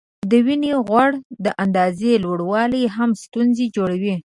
د وینې غوړو د اندازې لوړوالی هم ستونزې جوړوي.